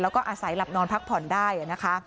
แล้วก็อาศัยหลับนอนพักผ่อนได้นะคะ